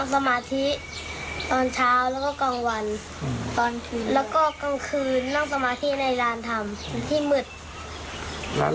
แล้วก็กลางคืนนั่งสมาธิในร้านทำที่มืด